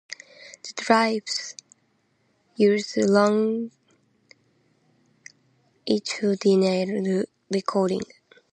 The drives used longitudinal recording.